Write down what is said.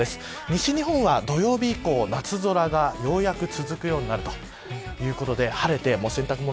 西日本は土曜日以降、夏空がようやく続くようになるということで晴れて洗濯物